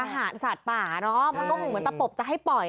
สัตว์ป่าเนอะมันก็คงเหมือนตะปบจะให้ปล่อย